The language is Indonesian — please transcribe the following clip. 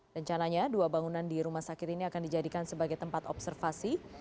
rencananya dua bangunan di rumah sakit ini akan dijadikan sebagai tempat observasi